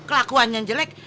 kelakuan yang jelek